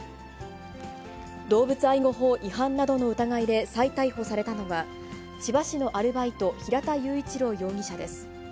動物愛護法違反などの疑いで再逮捕されたのは、千葉市のアルバイト、平田雄一郎容疑者です。